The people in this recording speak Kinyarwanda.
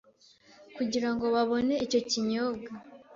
kugira ngo babone icyo kinyobwa